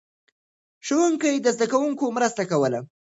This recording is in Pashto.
ښوونکي د زده کوونکو مرسته کوله.